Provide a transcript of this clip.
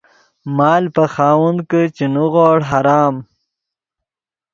مال پے خاوند کہ چے نیغوڑ حرام